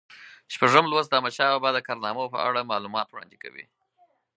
شپږم لوست د احمدشاه بابا د کارنامو په اړه معلومات وړاندې کوي.